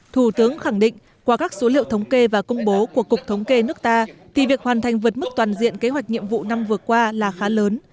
thủ tướng khẳng định qua các số liệu thống kê và công bố của cục thống kê nước ta thì việc hoàn thành vượt mức toàn diện kế hoạch nhiệm vụ năm vừa qua là khá lớn